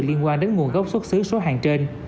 liên quan đến nguồn gốc xuất xứ số hàng trên